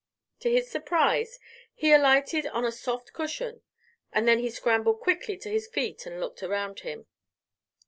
To his surprise he alighted on a soft cushion, and then he scrambled quickly to his feet and looked around him.